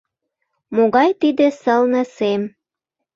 Могай тиде сылне сем!